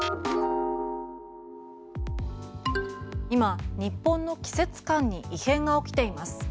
今、日本の季節感に異変が起きています。